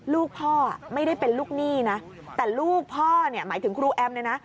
ลูกพ่อไม่ได้เป็นลูกหนี้นะแต่ลูกพ่อเนี่ยหมายถึงครูแอมเนี่ยนะ